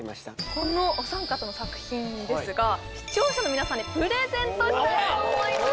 このお三方の作品ですが視聴者の皆さんにプレゼントしたいと思います